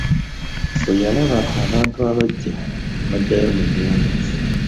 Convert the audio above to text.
Bwe yalaba abantu abajja n'addayo mu nyumba.